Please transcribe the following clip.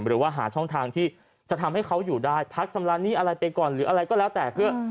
หรือว่าหาช่องทางที่จะทำให้เขาอยู่ได้พักชำระหนี้อะไรไปก่อนหรืออะไรก็แล้วแต่เพื่อ